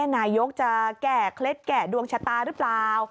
นายกจะแก่เคล็ดแก่ดวงชะตาหรือเปล่า